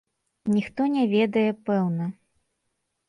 Ніхто не ведае пэўна.